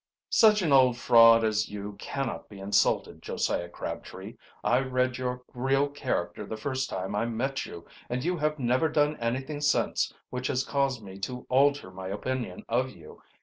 "Such an old fraud as you cannot be insulted, Josiah Crabtree. I read your real character the first time I met you, and you have never done anything since which has caused me to alter my opinion of you.